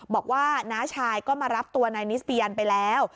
บอกว่าน้าชายก็มารับตัวนายนิสเปียันไปแล้ว